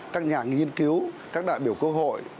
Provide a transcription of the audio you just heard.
các nhà nghiên cứu các đại biểu cơ hội